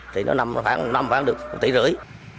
thì nó nằm khoảng một tỷ rưỡi